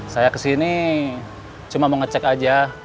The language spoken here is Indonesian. saya kesini cuma mau ngecek aja